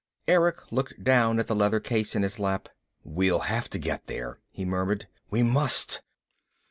Erick looked down at the leather case in his lap. "We'll have to get there," he murmured. "We must!"